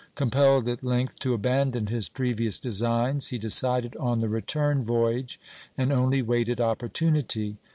Compelled at length to abandon his previous designs, he decided on the return voyage and only waited opportunity.